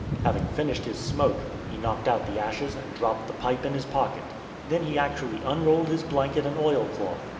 Having finished his smoke, he knocked out the ashes and dropped the pipe in his pocket. Then he actually unrolled his blanket and oil cloth.